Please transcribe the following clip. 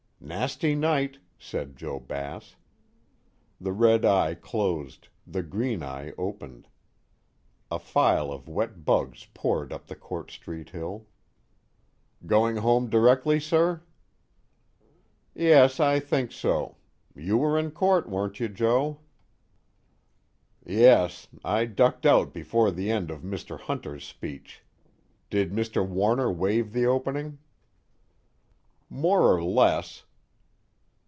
"Nasty night," said Joe Bass. The red eye closed, the green eye opened; a file of wet bugs poured up the Court Street hill. "Going home directly, sir?" "I think so. You were in court, weren't you, Joe?" "Yes. I ducked out before the end of Mr. Hunter's speech. Did Mr. Warner waive the opening?" "More or less...."